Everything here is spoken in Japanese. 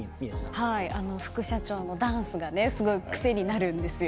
副社長のダンスがすごく癖になるんですよ。